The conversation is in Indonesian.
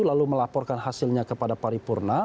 lalu melaporkan hasilnya kepada paripurna